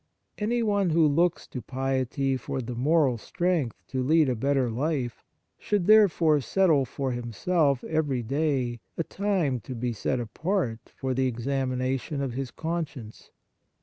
Anyone who looks to piety for the moral strength to lead a better life should therefore settle for himself every day a time to be set apart for the examination of his conscience.